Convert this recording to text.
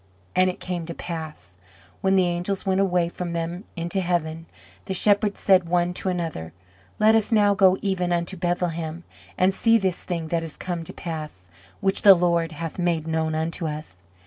And it came to pass, when the angels went away from them into heaven, the shepherds said one to another, Let us now go even unto Bethlehem, and see this thing that is come to pass, which the Lord hath made known unto us.